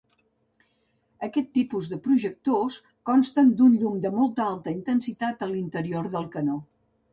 Aquest tipus de projectors, consten d'un llum de molt alta intensitat a l'interior del canó.